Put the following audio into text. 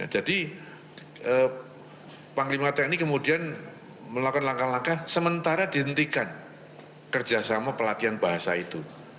jadi panglima teknik kemudian melakukan langkah langkah sementara dihentikan kerjasama pelatihan bahasa itu